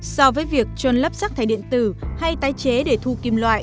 so với việc trôn lấp rác thải điện tử hay tái chế để thu kim loại